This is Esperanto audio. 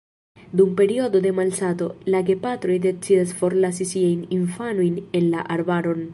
Dum periodo de malsato, la gepatroj decidas forlasi siajn infanojn en la arbaron.